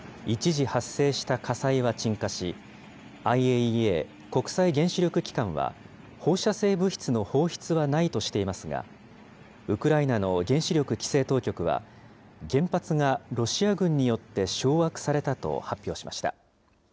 一時発生した火災は鎮火し、ＩＡＥＡ・国際原子力機関は、放射性物質の放出はないとしていますが、ウクライナの原子力規制当局は、原発がロシア軍によって掌握されたと発表しました。